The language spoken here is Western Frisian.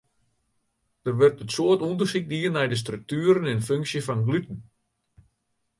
Der wurdt in soad ûndersyk dien nei de struktueren en funksje fan gluten.